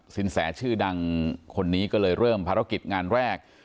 สินแสชื่อดังคนนี้ก็เลยเริ่มภารกิจงานแรก